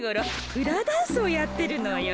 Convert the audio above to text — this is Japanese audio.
フラダンスをやってるのよ。